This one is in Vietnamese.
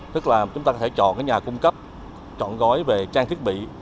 tức là chúng ta có thể chọn nhà cung cấp chọn gói về trang thiết bị